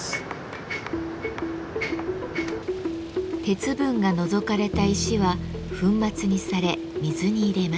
鉄分が除かれた石は粉末にされ水に入れます。